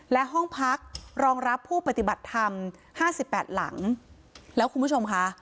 และห้องพักรองรับผู้ปฏิบัติธรรมห้าสิบแปดหลังแล้วคุณผู้ชมค่ะ